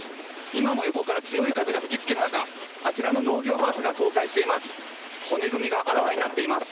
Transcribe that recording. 今も横から強い風が吹きつける中、あちらの農業ハウスが倒壊しています。